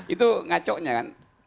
itu ngacoknya kan